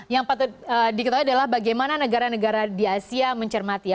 yang patut diketahui adalah bagaimana negara negara di asia mencermati